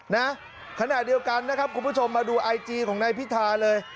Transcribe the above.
นะขณะเดียวกันนะครับคุณผู้ชมมาดูไอจีของนายพิธาเลย